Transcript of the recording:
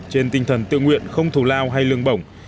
trên tinh thần tự nguyện không thù lao hay lương bổng